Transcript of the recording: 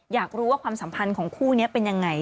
อยากรู้ว่าความสัมพันธ์ของคู่นี้เป็นยังไง